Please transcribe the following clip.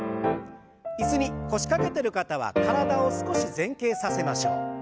椅子に腰掛けてる方は体を少し前傾させましょう。